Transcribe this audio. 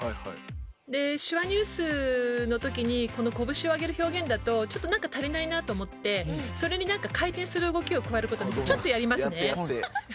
『手話ニュース』の時にこの拳を上げる表現だとちょっと何か足りないなと思ってそれに回転する動きをちょっとやりますね。